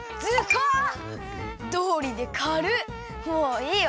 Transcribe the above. もういいよ。